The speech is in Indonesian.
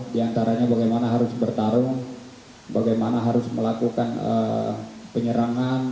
di antaranya bagaimana harus bertarung bagaimana harus melakukan penyerangan